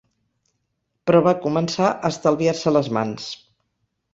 Però va començar a estalviar-se les mans.